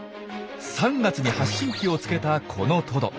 ３月に発信機をつけたこのトド。